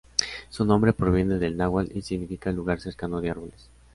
Su nombre proviene del náhuatl y significa: ""lugar cercado de árboles"".